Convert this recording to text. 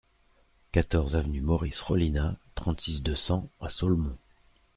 quatorze avenue Maurice Rollinat, trente-six, deux cents à Ceaulmont